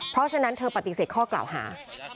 เพราะฉะนั้นเธอปฏิเสธข้อกล่าวหา